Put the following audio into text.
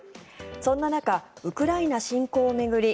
そんな中、ウクライナ侵攻を巡り